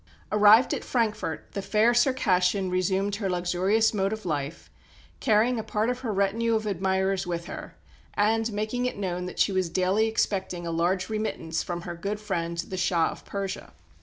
Arrived at Frankfort, the fair Circassian resumed her luxurious mode of life, carrying a part of her retinue of admirers with her, and making it known that she was daily expecting a large remittance from her good friend, the Shah of Persia.